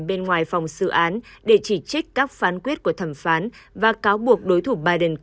bên ngoài phòng xử án để chỉ trích các phán quyết của thẩm phán và cáo buộc đối thủ biden